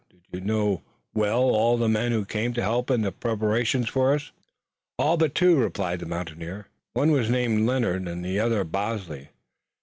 "Did you know well all the men who came to help in the preparations for us?" "All but two," replied the mountaineer. "One was named Leonard and the other Bosley.